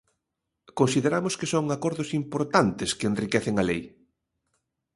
Consideramos que son acordos importantes que enriquecen a lei.